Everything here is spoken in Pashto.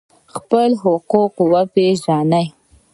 خپل حقوق وپیژنئ